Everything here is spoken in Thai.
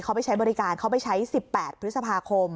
เขาไปใช้บริการเขาไปใช้๑๘พฤษภาคม